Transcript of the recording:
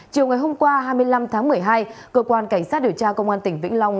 chiều ngày hôm qua hai mươi năm tháng một mươi hai cơ quan cảnh sát điều tra công an tỉnh vĩnh long